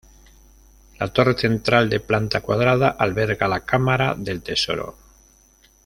La torre central de planta cuadrada alberga la cámara del tesoro.